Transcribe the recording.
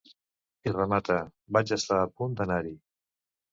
I remata: Vaig estar a punt d’anar-hi.